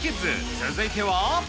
続いては。